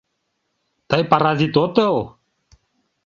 Тый паразит отыл?